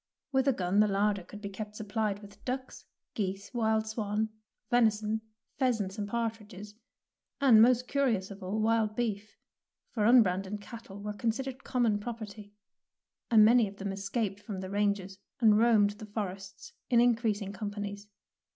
With a gun the larder could be kept supplied with ducks, geese, wild swan, venison, pheasants, and partridges, and, most curious of all, wild beef, for un 169 DEEDS OF DARING branded cattle were considered common property, and many of them escaped from the ranges and roamed the forests in increasing companies.